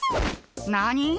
何！？